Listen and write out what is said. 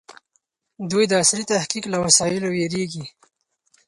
دوی د عصري تحقيق له وسایلو وېرېږي.